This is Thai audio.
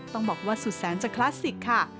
ต้องบอกว่าสุดแสนจะคลาสสิกค่ะ